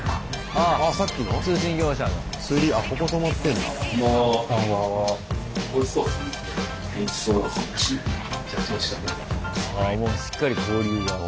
ああもうしっかり交流が。